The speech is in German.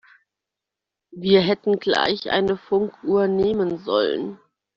Wir hätten gleich eine Funkuhr nehmen sollen.